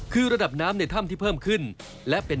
คือระดับน้ำในถ้ำที่เพิ่มขึ้น